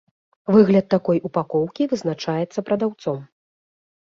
Выгляд такой упакоўкі вызначаецца прадаўцом.